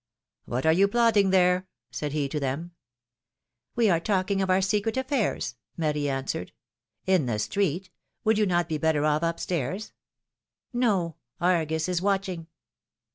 What are you plotting there? " said he to them. ^^We are talking of our secret affairs," Marie an swered. ^^In the street? Would you not be better off up stairs?" No, Argus is watching."